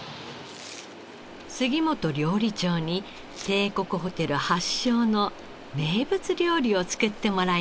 杉本料理長に帝国ホテル発祥の名物料理を作ってもらいます。